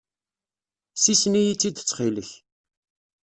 Ssisen-iyi-tt-id ttxil-k.